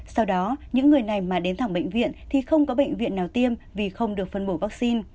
sau đó những người này mà đến thẳng bệnh viện thì không có bệnh viện nào tiêm vì không được phân bổ vaccine